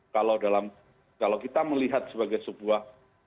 kalau dalam kalau kita melihat sebagai sebuah